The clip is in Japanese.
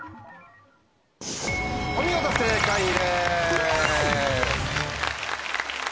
お見事正解です。